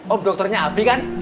om dokternya abi kan